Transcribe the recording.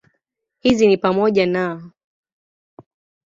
Hizi ni pamoja na